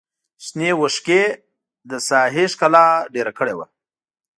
شنې وښکې د ساحې ښکلا ډېره کړې وه.